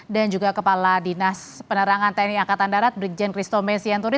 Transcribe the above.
dan juga kepala dinas penerangan tni angkatan darat brigjen kristome sienturi